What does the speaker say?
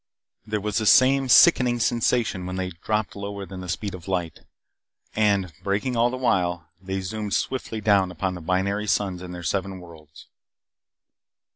There was the same sickening sensation when they dropped lower than the speed of light. And, braking all the while, they zoomed swiftly down upon the binary suns and their seven worlds.